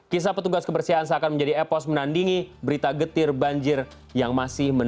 kisah petugas kebersihan seakan menjadi epos menandingi berita yang terjadi di indonesia